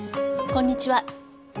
こんにちは。